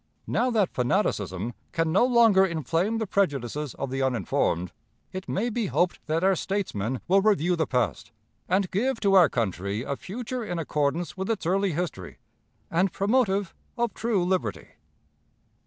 Now that fanaticism can no longer inflame the prejudices of the uninformed, it may be hoped that our statesmen will review the past, and give to our country a future in accordance with its early history, and promotive of true liberty.